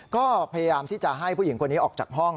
ก็พยายามที่จะให้ผู้หญิงคนนี้ออกจากห้อง